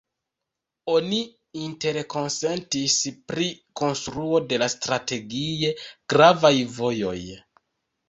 Oni interkonsentis pri konstruo de strategie gravaj vojoj.